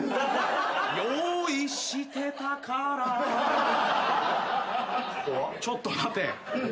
「用意してたから」ちょっと待て。